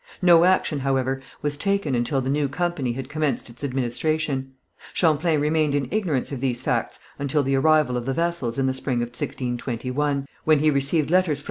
No action, however, was taken until the new company had commenced its administration. Champlain remained in ignorance of these facts until the arrival of the vessels in the spring of 1621, when he received letters from M.